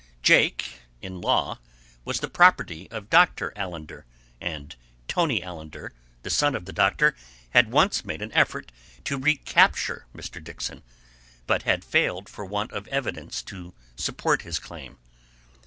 Jake, in law, was the property of Doctor Allender, and Tolly Allender, the son of the doctor, had once made an effort to recapture Mr. Dixon, but had failed for want of evidence to support his claim.